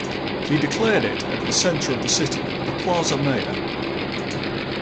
He declared it at the center of the city, the Plaza Mayor.